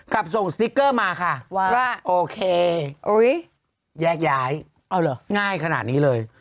ส่งสติ๊กเกอร์มาค่ะว่าโอเคแยกย้ายเอาเหรอง่ายขนาดนี้เลย